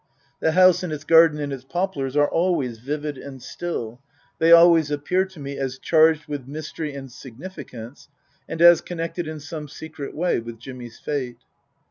The house and its garden and its poplars are always vivid and still ; they always appear to me as charged with mystery and significance and as connected in some secret way with Jimmy's fate.